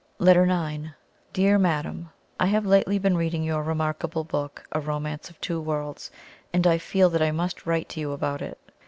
] LETTER IX. "DEAR MADAM, "I have lately been reading your remarkable book, 'A Romance of Two Worlds,' and I feel that I must write to you about it.